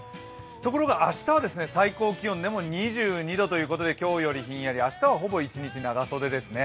ところが明日は最高気温でも２２度ということで、一日ひんやり、明日はほぼ一日、長袖ですね。